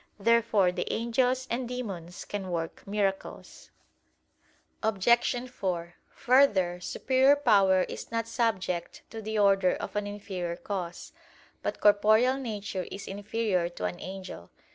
Therefore the angels and demons can work miracles. Obj. 4: Further, superior power is not subject to the order of an inferior cause. But corporeal nature is inferior to an angel.